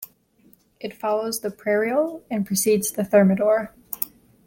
It follows the Prairial and precedes the Thermidor.